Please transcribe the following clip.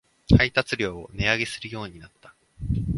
配達料を値上げするようになった